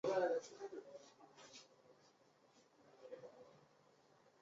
南亚裔族群是一个由二千多个不同种族构成的多元族群。